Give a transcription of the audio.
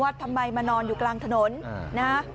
ว่าทำไมมานอนอยู่กลางถนน